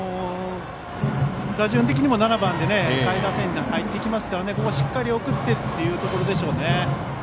打順的にも７番で下位打線に入っていきますからここは、しっかり送ってというところでしょうね。